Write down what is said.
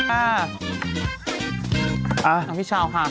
เอาพี่เช้าค่ะ